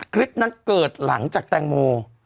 คลิปนั้นเกิดหลังจากแตงโม